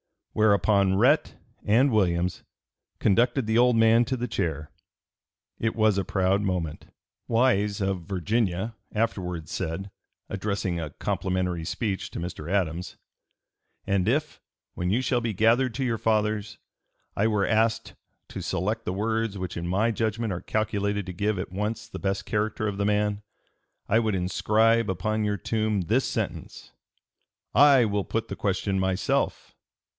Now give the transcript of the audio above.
Whereupon Rhett and Williams conducted the old man to the chair. It was a (p. 294) proud moment. Wise, of Virginia, afterward said, addressing a complimentary speech to Mr. Adams, "and if, when you shall be gathered to your fathers, I were asked to select the words which in my judgment are calculated to give at once the best character of the man, I would inscribe upon your tomb this sentence, 'I will put the question myself!'"